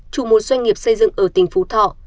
chủ một doanh nghiệp xây dựng ở tỉnh phú thọ